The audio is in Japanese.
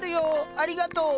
ありがとう。